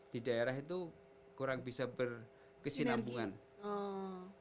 di daerah itu kurang bisa berkesinambungan